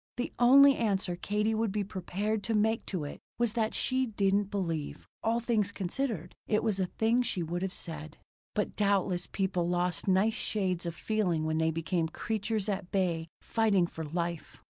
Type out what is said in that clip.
The only answer Katie would be prepared to make to it was that she didn't believe, all things considered, it was a thing she would have said. But doubtless people lost nice shades of feeling when they became creatures at bay fighting for life.